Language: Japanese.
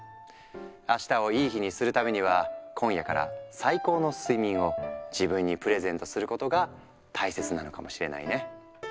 あしたをいい日にするためには今夜から最高の睡眠を自分にプレゼントすることが大切なのかもしれないね。